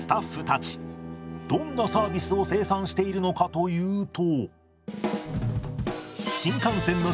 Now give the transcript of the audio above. どんなサービスを生産しているのかというと。